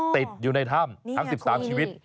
ติดอยู่ในถ้ำทั้ง๑๓ชีวิต